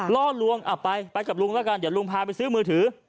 ล่อลวงไปไปกับลุงแล้วกันเดี๋ยวลุงพาไปซื้อมือถือ